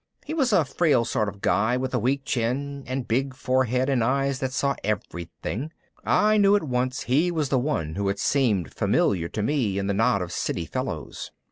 He was a frail sort of guy with a weak chin and big forehead and eyes that saw everything. I knew at one he was the one who had seemed familiar to me in the knot of City fellows.